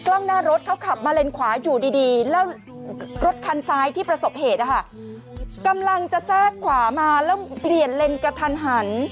กล้องหน้ารถเขาขับมาเลนขวาอยู่ดีแล้วรถคันซ้ายที่ประสบเหตุนะคะกำลังจะแทรกขวามาแล้วเปลี่ยนเลนกระทันหัน